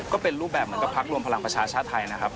ก็เป็นรูปแบบเหมือนกับพักรวมพลังประชาชาติไทยนะครับ